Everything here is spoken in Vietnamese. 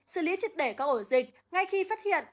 xử lý triệt để các ổ dịch ngay khi phát hiện